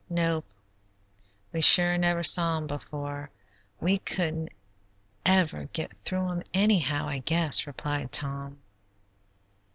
"Nope, we sure never saw 'em before. We couldn't ever get through 'em, anyhow, I guess," replied Tom.